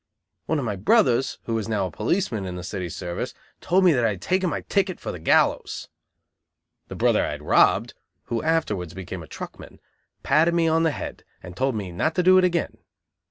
One of my brothers, who is now a policeman in the city service, told me that I had taken my ticket for the gallows. The brother I had robbed, who afterwards became a truckman, patted me on the head and told me not to do it again.